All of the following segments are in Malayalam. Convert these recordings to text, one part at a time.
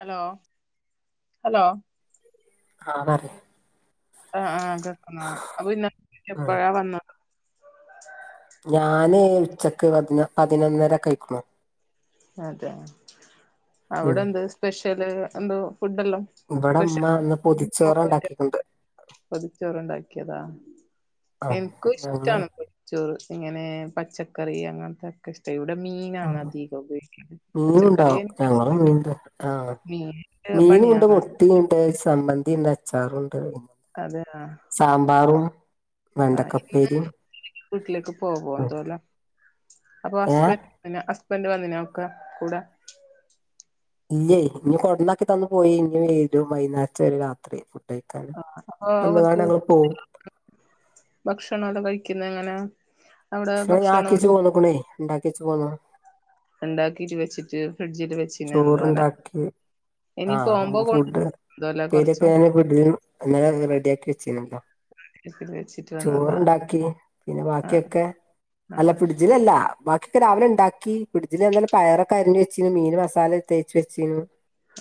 ഹലോ ഹലോ ആഹ് പറി ആഹ് അഹ് അതക്കുന്ന അപ്പൊ ഇന്ന ഉം എപ്പഴാ വന്ന ഞാന് ഉച്ചക്ക് വന്ന് പതിനൊന്നര ആയ്പ്പം അതെ അവിടെ ഉം എന്ത് സ്പെഷ്യല് എന്തോ ഫുഡ് എല്ലാം ഇവിടെ ഉമ്മ ഇന്ന് പൊതിചോറാ ഉണ്ടാക്കിക്ക്ണ്ട് പൊതിച്ചോറ്ണ്ടാക്കിയതോ ആഹ് എൻക്കും ഞങ്ങള് ഇഷ്ട്ടാണ് ചോറ് ഇങ്ങനെ പച്ചക്കറി അങ്ങൻതോക്കെ ഇഷ്ട്ട ഇവിടെ മീനാണ് അതി മീൻ ഉണ്ടോ ഞങ്ങള് മീൻ ആഹ് മീൻ മീനും ഉണ്ട് പണിയാണ് മു ട്ടിണ്ട് സമ്മന്തി ഇണ്ട് അച്ചാറുണ്ട് അത് ആ സാമ്പാറും ആ, ഈ വെണ്ടക്കപ്പേരിം വീട്ടിലേക്ക് പോവോ എന്തോല അപ്പോ ഏഹ് ഹസ്ബൻ പിന്നെ ഹസ്ബൻഡ് വന്നിനോ ഒക്കെ കൂടെ ഇല്ലേ ഇഞ്ഞെ കൊടുന്നാക്കി തന്നു പോയി ഇനി വരും വൈന്നാരത്തിനു വരും രാത്രി [unintelligible] ആ, അപ്പൊ വന്ന്ങ്ങാണ്ട് ഞങ്ങൾ പോവും ഭക്ഷണം അത് കഴിക്കുന്നങ്ങനെ [unintelligible] ഞാ ആക്കേച്ച് പോന്നുക്ക്‌ണേ ഇണ്ടാക്കേച്ച് പോന്നു ഉണ്ടാക്കിട്ട് വെച്ചിട്ട് ഫ്രിഡ്ജിൽ വെ ചോറ്ണ്ടാക്കി. ആ പോവുമ്പോ കൊണ്ട് ഫുഡ് എന്തോലെ ഉപ്പേരിയൊക്കെ കൊറച്ചും ഞാൻ ഫ്രി [unintelligible] ഇന്നലെ റെഡിയാക്കി വെച്ചീന്ട്ടോ. [unintelligible] ചോറുണ്ടാക്കി പിന്നെ ആഹ് ബാക്കിയൊക്കെ ആഹ് അല്ല, ആഹ് ഫിഡ്ജിലല്ല. ബാക്കിയൊക്കെ രാവിലെണ്ടാക്കി ഫ്രഡ്ജിൽ പയറൊക്കെ അരിഞ്ഞു വെച്ചീനിം, മീൻ മസാല തേച്ച് വെച്ചീനി.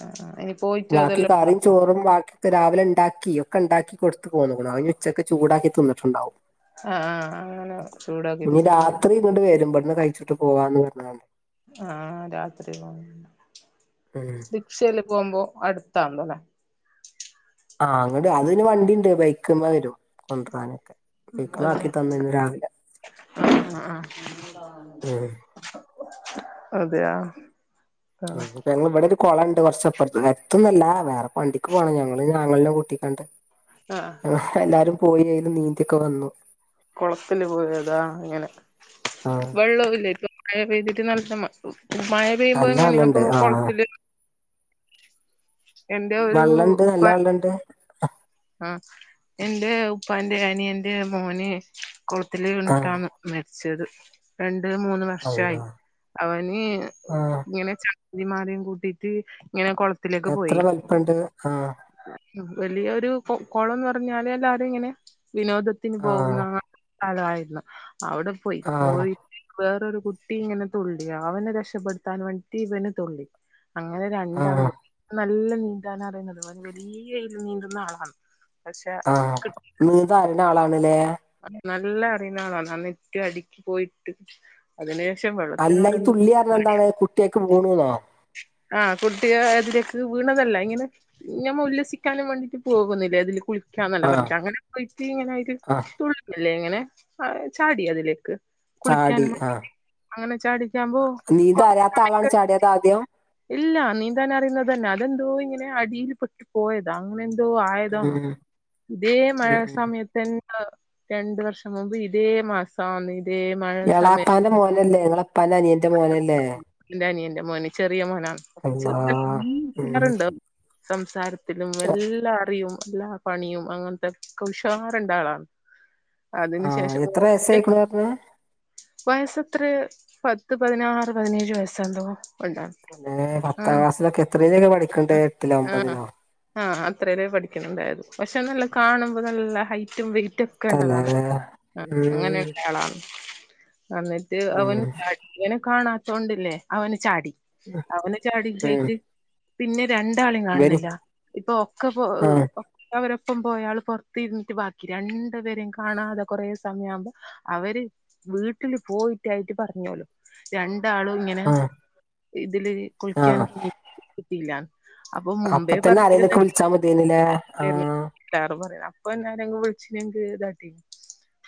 ആഹ് ഇനി പോയിട്ട് ബാക്കി അതെല്ലാം കറിം, ഉണ്ടാക്കും ചോറും ബാക്കി രാവിലെ ഇണ്ടാക്കി, ഒക്കെ ഇണ്ടാക്കി കൊടുത്തു പോന്നുക്കുണ്. അവനി ഉച്ചക്ക് ചൂടാക്കി തിന്നിട്ടുണ്ടാവും. ആ, ആ അങ്ങനെ ചൂടാക്കീട്ട് തിന്നോളും. ഇങ്ങട്ട് വരും ഇവിടന്ന് കഴിച്ചിട്ട് പോവാന്ന് പറഞ്ഞ [unintelligible] ആ ആ രാത്രി [unintelligible] [unintelligible] ച്ചേല് പോകുമ്പോ അടുത്താണ്ല്ലോലെ. ആ അങ്‌ട് അതിന് വണ്ടിണ്ട്. ബൈക്ക്മ്മേ വരും കൊണ്ടരാനൊക്കെ. അതെ. ആ ആ ഉം അതെ. ആഹ് ഞങ്ങളിവിടെരു കൊളണ്ട് കൊറച്ചപ്പുറത്ത് അടുതൊന്നും അല്ല വേറെ വണ്ടിക്ക് പോണം ഞങ്ങള് ആങ്ങളനെ കൂട്ടി അ ആ എല്ലാരും പോയെയ്തു നീന്തിയൊക്കെ വന്നു. കൊളത്തില് പോയതാങ്ങനെ ആ വെള്ളവും ഇല്ലപ്പോ മഴ പെയ്തിട്ട് നല്ല മഴ പെയ്യുമ്പോ നല്ല എങ്ങനെയ വെള്ളണ്ട് അപ്പൊ ആ കൊളത്തില് എന്റെ ഒരു വെള്ളണ്ട് ഉപ്പ നല്ല വെള്ളണ്ട് ആ എന്റെ ഉപ്പാന്റെ അനിയന്റെ മോന് കുളത്തിൽ ആ വീണിട്ടാണ് മരിച്ചത്. രണ്ട് മൂന്ന് വർഷായി അള്ളാ അവന് ആ ഇങ്ങനെ ചങ്ങാതിമാരേം കൂട്ടിട്ട് ഇങ്ങനെ കൊ എത്ര വലിപ്പണ്ട്? ആഹ്. വലിയൊരു കോളംന്ന്റഞ്ഞാല് എല്ലാരും ഇങ്ങനെ വിനോദത്തിന് ആ പോകുന്നാ സ്ഥലായിരുന്നു അവിടെ പോയി. ആ പോയിട്ട് വേറൊരു കുട്ടി ഇങ്ങനെ തുള്ളി. അവനെ രക്ഷപ്പെടുത്താൻ വേണ്ടിട്ട് ഇവനു തുള്ളി. അങ്ങനെ ആ രണ്ടാളും കൂടി നല്ല നീന്താൻ അറിയുന്നത് അവന് വലിയൽ നീന്തുന്ന ആളാണ്. പക്ഷെ ആഹ് നീന്താ അറിയുന്ന ആളാണ്ല്ലേ. നല്ല അറിയുന്ന ആളാണ്. അന്ന് ഏറ്റോം അടിക്കിപോയിട്ട്. അതിനു ശേഷം വെള്ളത്തിനോട് എന്ത്, പേടിയാ. തേക് വീണുന്നോ. ആഹ് കുട്ടി അതിലേക്ക് വീണതല്ല. ഇങ്ങനെ ഞമ്മ ഉല്ലസിക്കാനും വേണ്ടിട്ട് പോകുന്നില്ലേ അതില് കുളി ക്കാന്നല്ല ആ പറഞ്ഞിട്ട് അങ്ങനെ പോയിട്ട് ഇങ്ങനെര് ആ തുള്ളുന്നല്ലേ ഇങ്ങനെ ചാടി അതിലേക്ക്. ചാടി കുളിക്കാനും വേണ്ടിട്ട് അങ്ങനെ ചാടിക്കാപോ നീന്ത അറിയാ തളാണ് ചാടിയത് ആദ്യം. ഇല്ല നീന്താൻ അറിയുന്നത് തന്നെ. അതെന്തോ ഇങ്ങനെ അടിൽ പെട്ടു. പോയതാ. അങ്ങനെ എന്തോ ആയതാന്ന്. ഉം ഇതേ മഴ ഉം ഉം സമയത്ത രണ്ട് വർഷം മുമ്പ് ഇതേ മാസന്ന്. ഇതേ മഴ സമയ എളാപ്പാന്റെ മോനല്ലേ ഇങ്ങളെ ഉപ്പാന്റെ അനിയന്റെ മോനല്ലേ. പ്പാന്റെ അനിയന്റെ മോന് ചെറിയ മോനാണ്. അല്ലാ ഉം ചെറിയാരുണ്ട് [unintelligible] സംസാരത്തിലും എല്ലാ അറിയും എല്ല പണിയും അങ്ങനത്തെക്കെ ഉഷാറുണ്ട ആളാണ്. അതിന് ആ ശേഷം എത്ര ഓ, ക്കെ വയസ്സായിക്കണു പറഞ്ഞു വയസെത്രേ പത്ത്, പതിനാറ്, പതിനേഴ് വയസെന്തോ ഉണ്ടരുന്നു. പിന്നെ പത്താം ക്ലാസ്സിലൊക്കെ എത്രെലെനി പഠിക്കുന്നത് ആഹ് എട്ടിലോ, ആഹ് ഒമ്പതിലോ? ആഹ് അത്രല് പഠിക്കണുണ്ടായിരുന്നു പക്ഷെ നല്ല കാണുമ്പോ നല്ല ഹൈറ്റും വെയി തലേ റ്റുംഒകെണ്ടതാണ് അഹ് ഉം അങ്ങനെള്ള ആളാണ് അന്നിട്ട് അവൻ ഉം ചാടി ഇവനെ കാണാത്തോണ്ടല്ലേ? അവന് ചാടി. അവന് ചാടി [unintelligible] ഉം പോയിട്ട് പിന്നെ രണ്ടാളെയും ഇവന് കാണുന്നില്ല ഇപ്പൊ ഒക്കെ പോ ആ [unintelligible] അവരൊപ്പം പോയാള് പുറത്തിരുന്നിട്ട് ബാക്കി രണ്ടുപേരും കാണാതെ കുറേ സമയം ആവുമ്പോം അവര് വീട്ടില് പോയിട്ടായിട്ട് പറഞ്ഞോലും. രണ്ടാളും ഇങ്ങനെ ആ ഇതില് രി ആ കുളിക്കാനിറങ്ങി. ഇല്ല അപ്പൊ മുമ്പേ തന്നെ ആരേലൊക്കെ പറഞ്ഞിരുന്നെകിൽ. വിളിച്ചാ മതിയേനില്ലേ ആ [unintelligible] കുട്ട്യാള് [unintelligible] പറയാ അപ്പോ ന്നാരേയും അങ്ങ് വിളിച്ചങ്ങട്ടാങ്കീ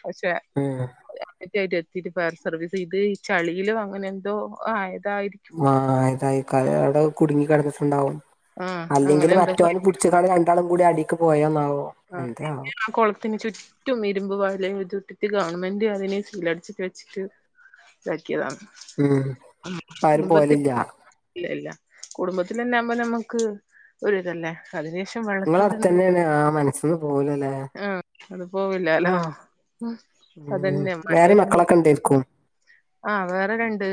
പക്ഷെ. ഉം [unintelligible] കൃത്യമായിട് എത്തിട്ട് ഫയർ സർവീസ് ഇത് ഈ ചളിയിലും അങ്ങനെ എന്തോ ആയാതായിരിക്കും. ആഹ് അതായികാ അവിടെ കുടുങ്ങി കിടന്നട്ടുണ്ടാവും ആഹ് അല്ലെങ്കിൽ അങ്ങനെ എന്തോ മറ്റൊന് പുടി ച്ചുങാണ്ട് രണ്ടാളും കൂടി അടിക്ക് പോയോന്നാവോ.? ആഹ് എന്തേ ആവോ പിന്നി ആ കൊള് ത്തിന് ചുറ്റും ഇരുമ്പ് വലയം ഇട്ടിട്ട് ഗവൺമെന്റ് അതിനെ സീലടിച്ചിട്ട് വെച്ചിട്ട്. ണ്ടാക്കിയതാണ് ഉം പ്പ ആരും പോവലില്ല. ഇല്ല ഇല്ല കുടുംബത്തിലന്നെ ആകുമ്പോ നമ്മക്ക് ഒരു ഇതല്ലേ. അതിന് ശേഷം വ നിങ്ങള അടുത്ത ന്നെയാണ് ആ മനസ്സിന്ന് പോവുലല്ലേ? ആഹ് അത് പോവില്ലാലോ അത് ഉം ന്നെ മഴ വേറെ വരുമ്പോ... മക്കളൊക്കെ ഉണ്ടായിരിക്കും ആ വേറെ രണ്ട്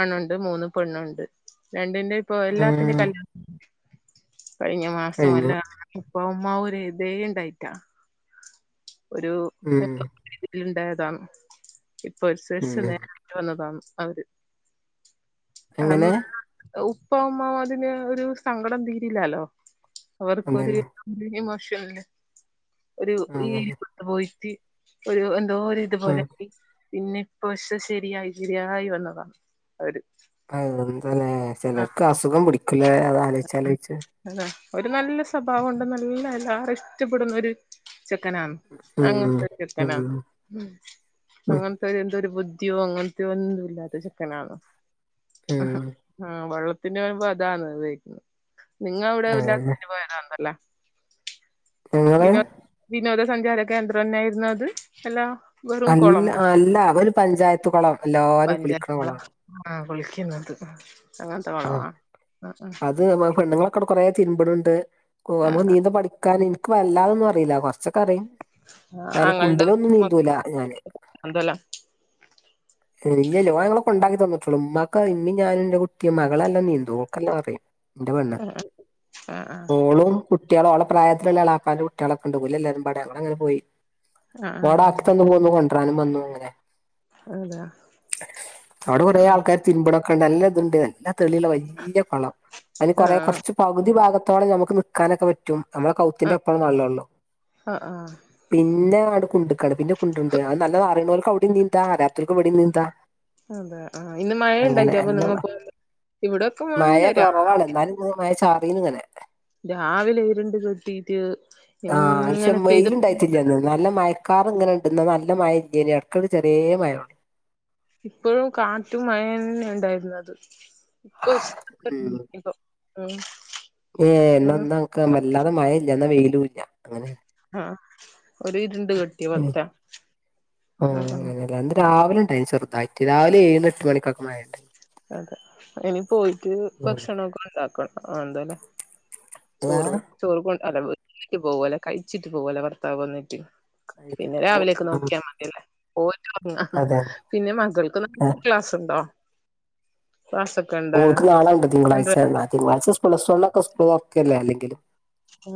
ആണുണ്ട് മൂന്ന് പെണ്ണുണ്ട് രണ്ടിന്റെം. ഇപ്പൊ ഉം എല്ലാത്തിന്റെ കല്യാണം [unintelligible] കഴിഞ്ഞ മാസം കഴിഞ്ഞു അല്ല. [unintelligible] ഉപ്പ ഉമ്മാ ഒര് ഇതേ ഇണ്ടായിട്ടാ. ഒരു ഉം [unintelligible] തിൽ ഉണ്ടായതാണ് ഇപ്പൊ. ഉം [unintelligible] വന്നതാണ് അവര് [unintelligible] എങ്ങനെ ഉപ്പ ഉമ്മ അതിന് ഒരു സങ്കടം തീരില്ലാലോ? അവർക്കൊര്.. അതന്നെ ദീയും മാശ്വാ ല്ലേ.. ഒരു ഈ അതന്നെ ത് പോയിട്ട് ഒരു എന്തോ ഒരു ഉം ഇതുപോലെ.. പിന്നെ ഇപ്പ ക്ഷെ ശരിയായി ശെരിയായി വന്നതാ അവര്... അഹ് എന്താല്ലേ ആഹ് ചെലർക്ക് അസുഖം പിടിക്കൂലേ അതാണ്... അതാ ഒരു നല്ല സ്വഭാവണ്ട് നല്ല എല്ലാവരും ഇഷ്ടപ്പെടുന്ന ഒര്... ചെക്കനാണ് ഉം അങ്ങനത്തൊരു ഉം ചെക്കനാണ്.... ഉം ഉം അങ്ങനത്തെന്തോര് ഒരു ബുദ്ധിയോ അങ്ങനത്തോ ഒന്നും ഇല്ലാത്ത ചെക്കനാണ്.. ആഹ ഉം അഹ് വെള്ളത്തിന്റെ യിമ്പം അതാണ് ഇതെ... നിങ്ങളെ എവിടെ അതന്നെ ഉല്ലാസത്തിന് പോയത് കണ്ടല്ല... ഞങ്ങള് വിനോ വിനോദ സഞ്ചാര കേന്ദ്രം തന്നെയായിരുന്നു അത് അല്ല.... വെറും അല്ല കുളം അല്ല അവര് പഞ്ചായത്ത് കുളം എല്ലാവരും കുളിക്കണ കുളാണ്... ആഹ് കുളിക്കുന്നത് അങ്ങനത്തെ ആ കുളമോ ആഹ് ആഹ്... അത് പെണ്ണുങ്ങളൊക്കെ അടേ കുറേ തിര്പണ് ണ്ട് മ്മൾക്ക് ആ ആ നീന്ത പഠിക്കാൻ ഇൻക്ക് വല്ലാതൊന്നും അറിയില്ല കുറച്ചൊക്കെ.. അറിമ് ആ ന്നാലും ആങ്ങളുടെ കുണ്ടലൊന്നും നീന്തൂല ഞാന്... എന്തല്ല ഇല്ല്യല്ലോ ഓൻ ഞങ്ങളെ ക്കെണ്ടാക്കി തന്ന്ട്ടൊള്ളു ഇമ്മാക് ഇമ്മീം ഞാനും ന്റെകു... [unintelligible] ക്ക് മകളല്ലാന്നേ ഓൾക് നല്ലം അറിയും ഇന്റെ പെണ്ണ് ആ ആ ആ ഓളും... കുട്ടിള്ള് ഓളെ പ്രായത്തിലുള്ള യാളപ്പാന്റെ കുട്ടീളൊക്കെ ഉണ്ട് ഒല് എല്ലാരുംപാടെ അവിടെ അങ്ങനെ പോയി... ആ ആ ഓടേ ആക്കിത്തന്നു പോന്നു കൊണ്ട്രനും വന്നു അങ്ങനെ... അതെ അവിടെ കൊറെ ആ ആൾക്കാര് തിരിപ്ണ് ക്കെണ് ഉണ്ട് നല്ല ഇതുണ്ട്... തെളിള്ള വല്ല്യകൊളം അതിന് കുറെ കുറച്ച് പകുതി ഭാഗത്തോള്ളം നമുക്ക് നിക്കാനൊക്കെ പറ്റും... മ്മളെ ആ കൗത്തിന്റെപ്പം വെള്ളം ഒള്ളൂ... ആ ആ പിന്നെ ആണ്ട് കുണ്ട്ക്കാണ് പിന്നെ കുണ്ട്ണ്ട് അത് നല്ലം അറിയ്ണോൽക്ക് അവിടിം നീന്താ അറിയാത്തവർക്ക് ഇവിടിം നീന്താ... അതെ ആ ഇന്ന് മഴ അങ്ങനെ ഇണ്ടായിട്ട നല്ല നിങ്ങൾ [unintelligible] പോയത് ഇവിടെക്കെ.,. മഴ കൊറവാണ് ഇന്നാലും ഇന്ന് മഴ ചാറീന്ന് ഇങ്ങനെ... രാവിലെ ഇരുണ്ട് കെട്ടീട്ട് ഇങ്ങനെ പെയ്തു... പെയ്തിട്ടില്ല ഇന്ന് നല്ല മയക്കാർ ഇങ്ങനെ ഇണ്ട് നല്ല മഴ ഇല്ല്യണ്ണും ഇടക്കട് ചെറിയ മഴ ഒള്ളു... ഇപ്പോഴും കാറ്റും മഴ ന്നെ ഉണ്ടായിരുന്നത് ഇപ്പൊ ഇഷ് ഇപ്പൊ... ഉം.. ഏ ഇന്നാ ഉം ഇന്ന് ഞങ്ങൾക്ക് വല്ലാതെ മഴ ഇല്ല എന്നാ വെയിലൂല്ല അങ്ങനെയ... ആഹ ഒരു ഇരുണ്ട് കെട്ടിയ പോലത്തെ ആ ഉം ഉം അങ്ങന അല്ലെ ഇന്ന് രാവിലെ ഉണ്ടായിന് ചെറുതായിട്ട് രാവിലെ എഴുമണി എട്ട് മണിക്കൊക്കെ മഴണ്ട്. അതെ ഇനി പോയിട്ട് ഉം ഭക്ഷണൊക്കെ ഉണ്ടാക്കൻ ഉണ്ടലെ... ചോറോ ഏഹ് ചോറ് കൊ അല്ലെ വന്നിട്ട്പോവലെ കഴിച്ചിട്ട് പോകുലെ ഭർത്താവ് വന്നിട്ട്... പിന്നെ കഴിച്ചിട്ട് പോവും രാവിലെക്ക് ഉം നോക്കിയാൽ മതിയ ല്ലേ പോയിട്ടെ റങ്ങാ.. അതെ പിന്നെ മകൾക്ക് നാ ഏഹ് ളെ ക്ലാസുൻണ്ടോ... ക്ലാസ്.. ഓൾക്ക് നാളുണ്ട് തിങ്കളാഴ്ച തിങ്കളായ്ച്ച പ്ലസ് ഒൺക്കെ സ്കൂൾ തെറക്കല്ലെ അല്ലെങ്കിലും... ആ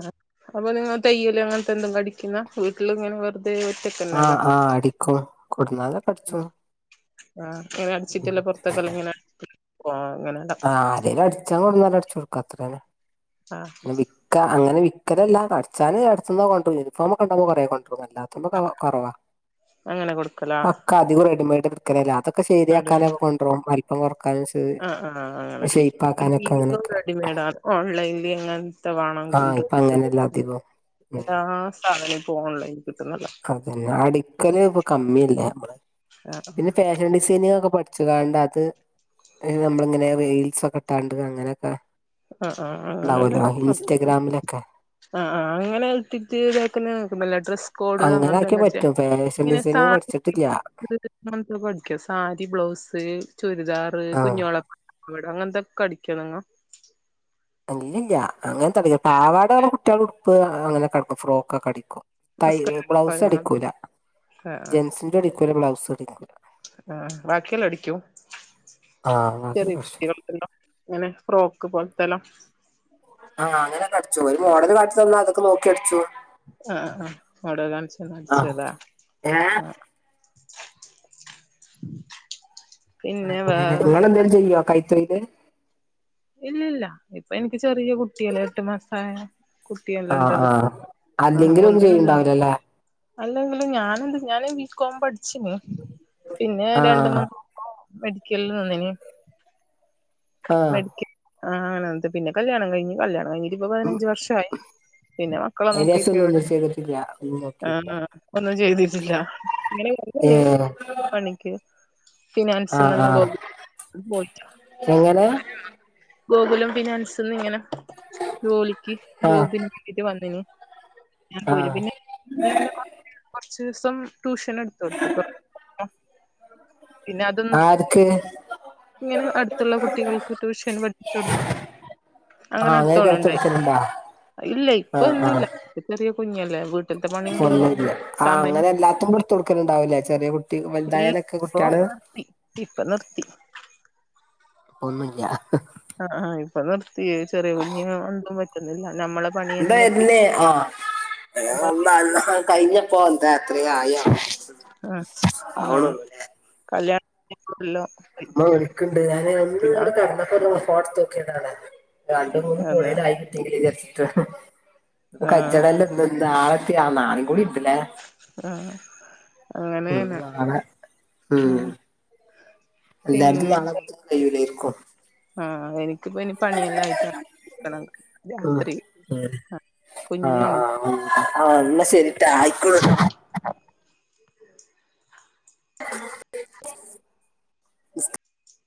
അപ്പൊ നിങ്ങൾ തെയ്യല് അങ്ങനത്തെ എന്താങ്കിലുംഠിക്കുന്നെ വീട്ടിൽ ഇങ്ങനെ വെറുതെ... തെ ഓറ്റ ക്കൽ.. ആഹ് ആഹ് അടിക്കും കൊടുന്നാലെക്കെ അടിച്ചും കൊട്... ആഹ ഇങ്ങനെ അടിച്ചിട്ടല്ലേ പൊർ ത്തേക്കെല്ലാം ഇങ്ങനെ അ അങ്ങനെ... ആ ആരേലും അടിച്ചാ കൊടുന്നാൽ അടിച്ചു കൊടുക്കും അത്രേന.. ആഹ.. പി വിക്ക അങ്ങനെ വിൽക്കലല്ല അടച്ചാന് അടുത്ത് നോക്കെ കൊണ്ടറും യൂണിഫോമൊക്കെ ഉണ്ടങ്കിൽ കൊറേ കൊണ്ടരും അല്ലാത... അതൊക്കെ കുറവാ അങ്ങനെ കൊടുക്കലാ ആ.. പ്പം അധികം റെഡിമേഡ് ഇടക്കല്ലല്ലേ അതൊക്കെ ശരിയാക്കാനൊക്കെ കൊണ്ടറും വലിപ്പം കൊറക്കാനും ശ്... ആ ആ് അങ്ങനെ ഏത [unintelligible] അങ്ങനെയൊക്കെ റെഡിമെയഡ ആണ് ഓൺലൈനിൽ അങ്ങ... വേണം ആ ഇപ്പൊ അങ്ങനെയല്ല അധികം [unintelligible] ഉം എല്ലാ സാധനം ഇപ്പൊ ഓൺലൈൻ അതന്നെ അടുക്കല് ഇപ്പ കമ്മില്ലേ നമ്മള് ആഹ് പിന്നെ തേ ഷൻസൈൻ ഒക്കെ പഠിച്ചിങ്ങാണ്ട് അത് നമ്മളിങ്ങനെ റീൽസൊക്കെ ഇട്ടാണ്ട് അങ്ങനെയൊക്കെ ആഹ് ആഹ് അങ്ങനെല്ല ണ്ടാവല്ലോ ഇൻസ്റ്റഗ്രാമിലൊക്കെ. ആഹ് ആഹ് അങ്ങനെ ഇട്ടിട്ട് ഇതാക്കുന്നെ [unintelligible] ല്ലേ ഡ്രസ്സ് കോഡ് അങ്ങനെ ആക്കിയാ അങ്ങനത്തെല്ലാച്ചാ പറ്റും ഫാഷൻ ഇങ്ങനെ സാ ഡിസൈനിങ് [unintelligible] പഠിച്ചിട്ടില്ല ത്തൊക്കെ അടിക്കോ സാരി ബ്ലൗസ്. ചുരിദാറ് ആ കുഞ്ഞോളെ [unintelligible] അങ്ങനത്തൊക്കെ അടിക്കോ നിങ്ങ ഇല്ല്യല്ല്യ അങ്ങനെത്തടിക്കു പാവാടള് കുട്ടിയാളെ ഉടുപ്പ് അങ്ങനെക്കെ അടിക്കും ഫ്രോക്കൊക്കെടിക്കും. തൈ ബ്ലൗസ് നിസ്കാര അടിക്കൂല ആഹ് ജെൻസിന്റെ അടിക്കൂല ബ്ലൗസ് അടിക്കൂല ആഹ് ആഹ് ബാക്കിയിള്ളെ അടിക്കും ആഹ് അത് [unintelligible] പ്രശ്നം ഇങ്ങനെ ഫ്രോക്ക് പോലത്തെല്ലാ. ആഹ് അങ്ങനെക്കെ അടിച്ചു ഒരു മോഡൽ കാട്ടി തന്നാ അതൊക്കെ നോക്കി അടിച്ചു. ആഹ ആഹ് അവിടെത ആഹ് ചടിച്ചതാ ഏഹ് ആഹ [inaudible] അങ്ങനെ വേറെ ഇങ്ങളേതെങ്കിലും ചെയ്യോ കൈരോയില് ഇല്ലല്ല ഇപ്പൊ എനിക്ക് ചെറിയ കുട്ടിയല്ലേ എട്ടു മാസായ കുട്ടിയെല്ലാം ആഹ് ഇണ്ടത് ആഹ് ആഹ് അല്ലെങ്കിലൊന്നും ഒന്നിനും ഇതമി ചെയ്യണ്ടാവില്ലാല്ലേ. അല്ലെങ്കിലും ഞാനെന്ത് ഞാന് ബി കോം പഠിച്ചിന് പിന്നെ രണ്ട് ആഹ് മൂന്ന് മെഡിക്കലിൽ നിന്നിനി ആഹ ക്ക് ആഹ് [unintelligible] പിന്നെ കല്യാണം കഴിഞ്ഞ് കല്യാണം കഴിഞ്ഞ് ഇപ്പ പതിനഞ്ച് വർഷായി പിന്നെ മക്കളെ അതിന് ശേഷം നോക്കീട്ട് ഒന്നും ഇവിടെ ഒന്നും ചെയ്തിട്ടില്ല ഒന്നും നോക്കിയില്ല ആഹ് ഒന്നും ചെയ്തിട്ടില്ല ഇങ്ങന ഏഹ് പണിക്ക് ഫിനാൻസ് ആഹ് ആഹ് [unintelligible] പോയിറ്റാ എങ്ങനെ ഗോകുലം ഫിനാൻസ്ന്ന് ഇങ്ങനെ ജോലിക്ക് ആഹ് ജോബിന് വന്നിന്ഞാൻ പോര് ആഹ് പിന്നെ കുറച്സം ട്യൂഷൻ എട് [unintelligible] പിന്നെ അത് നിർ ആർക്ക് ഇങ്ങനെ അടുത്തുള്ള കുട്ടികൾക്ക് ട്യൂഷൻ പഠിപ്പിച്ചു കൊടുക്കും അങ്ങനെ ആഹ് എടുത്തോണ കഴിച്ചു ണ്ടായി കൊടുക്കലുണ്ടാ ഇല്ല ഇപ്പൊ എന്തുല്ലാ ഇപോ ചെറിയ കുഞ്ഞല്ലേ വീട്ടിലത്തെ പണിയും ഒന്നില്ല കുഞ്ഞും ആ സമയം അങ്ങനെ എല്ലാത്തും എടുത്തു കൊടുക്കലണ്ടാവൂല്ല ചെറിയ കുട്ട് ട്യേക്കും വലുതായാലൊക്കെ കുട്ട്യാള് ഇപ്പ നിർത്തി. ഒന്നൂല്ലാ ആഹ് ആഹ് ഇപ്പൊ നിർത്തി ചെറിയ കുഞ്ഞ്ണ്ട് പറ്റുന്നില്ല നമ്മള് ഇതര്ന്ന് ആ നമ്മളെ [unintelligible] കഴിഞ്ഞപ്പോ എന്താ അത്രയ ആയി ആവോ. അഹ് ആഹ് ആവണുള്ളൂല്ലേ കല്യാണ [unintelligible] ല്ലോ അമ്മ വിളിക്കണ്ട് ഞാൻ ഒന്ന്ടെ ക ഫോത്ത്ക്കിയണ രണ്ടു മൂന്ന് അതെയ കോടെൽ ആയി കിട്ടിയെങ്കില വിചരിച്ചിട്ട അഹ് ഇപ്പൊ ആഹ് കചണല്ലോ ഇതനാളെത്തെയ ആ നാളെയും കൂടിണ്ട് ല്ലേ ആഹ് അങ്ങനെന്നെ ഉം ആഹ് എല്ലാർതും പിന്നെ നാളെ ഉച്ചക്ക് കയ്യിലെർക്കും. ആഹ് എനിക്കിപ്പോ ഇനി പണിയെല്ലാ ആയിട്ട നിൽക്കണരാത്രി അഹ് ആഹ് ആ എന്നാ ശരിട്ട ആ ആഹ് ഉ [unintelligible]